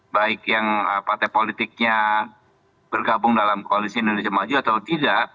baik yang partai politiknya bergabung dalam koalisi indonesia maju atau tidak